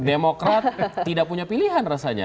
demokrat tidak punya pilihan rasanya